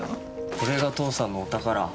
これが父さんのお宝。